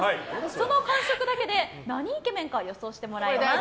その感触だけで何イケメンか予想してもらいます。